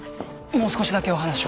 もう少しだけお話を。